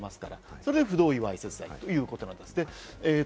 それで不同意わいせつ罪ということです。